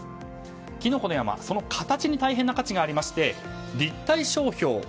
きのこの山はその形に大変な価値がありまして立体商標。